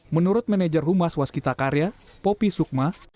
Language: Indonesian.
menurut manajer humas waskita karya popi sukma